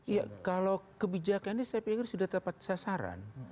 iya kalau kebijakannya saya pikir sudah tepat sasaran